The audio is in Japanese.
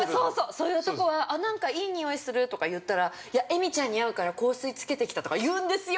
そういう男は、なんかいい匂いするとか言ったらいや、エミちゃんに会うから香水つけてきたとか言うんですよ。